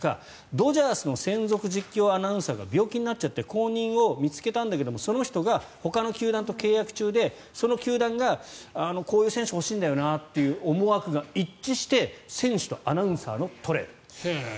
ドジャースの専属実況アナウンサーが病気になっちゃって後任を見つけたんだけどその人がほかの球団と契約中でその球団が、こういう選手が欲しいんだよなという思惑が一致して選手とアナウンサーのトレード。